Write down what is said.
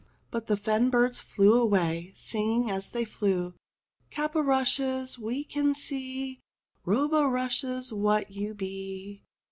But the fen birds flew away, singing as they flew : "Cap o rushes ! we can see, Robe o' rushes ! what you be.